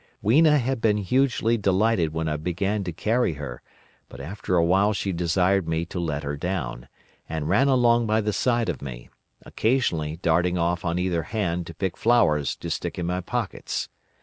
"Weena had been hugely delighted when I began to carry her, but after a while she desired me to let her down, and ran along by the side of me, occasionally darting off on either hand to pick flowers to stick in my pockets.